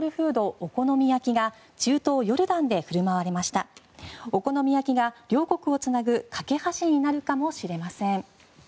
お好み焼きが両国をつなぐ懸け橋になるかもしれません。